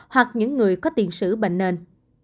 hoặc những người có tiền sử bệnh nền